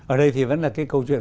ở đây thì vẫn là cái câu chuyện